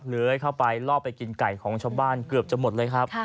เลื้อยเข้าไปลอบไปกินไก่ของชาวบ้านเกือบจะหมดเลยครับ